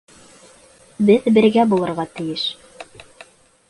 Беҙ бергә булырға тейеш!